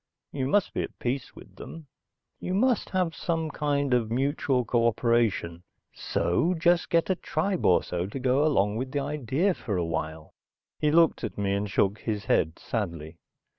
You must be at peace with them. You must have some kind of mutual cooperation. So just get a tribe or so to go along with the idea for a while." He looked at me and shook his head sadly.